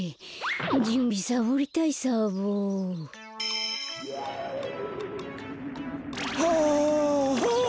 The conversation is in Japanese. じゅんびサボりたいサボ。はハッ！